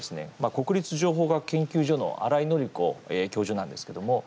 国立情報学研究所の新井紀子教授なんですけども。